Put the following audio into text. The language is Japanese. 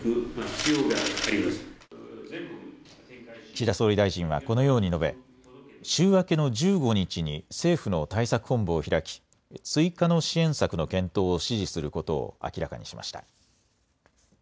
岸田総理大臣は、このように述べ週明けの１５日に政府の対策本部を開き追加の支援策の検討を指示することを明らかにしました。